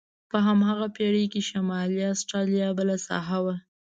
په هماغه پېړۍ کې شمالي استرالیا بله ساحه وه.